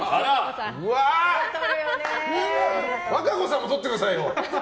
和歌子さんも撮ってくださいよ。